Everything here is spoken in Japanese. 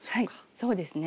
そうですね。